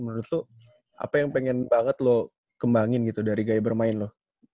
menurut lu apa yang pengen banget lu kembangin gitu dari gaya bermain lu